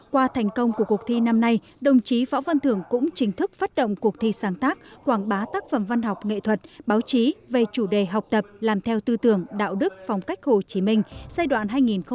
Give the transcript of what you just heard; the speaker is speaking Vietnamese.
qua thành công của cuộc thi năm nay đồng chí võ văn thưởng cũng chính thức phát động cuộc thi sáng tác quảng bá tác phẩm văn học nghệ thuật báo chí về chủ đề học tập làm theo tư tưởng đạo đức phong cách hồ chí minh giai đoạn hai nghìn hai mươi hai nghìn hai mươi năm